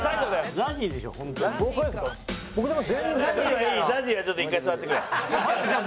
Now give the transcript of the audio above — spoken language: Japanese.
ＺＡＺＹはちょっと１回座ってくれ。